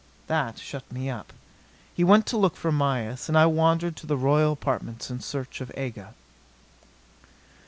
That shut me up. He went to look for Mayis; and I wandered to the royal apartments in search of Aga.